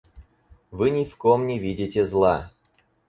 Вы ни в ком не видите зла!